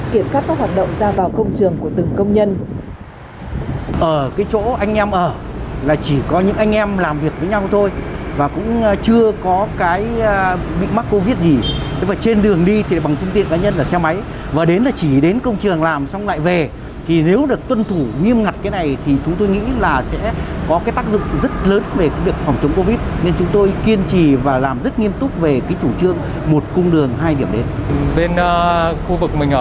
kiểm soát các hoạt động ra vào công trường của từng công nhân